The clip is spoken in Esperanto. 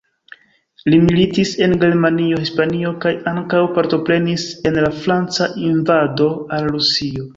Li militis en Germanio, Hispanio kaj ankaŭ partoprenis en la Franca invado al Rusio.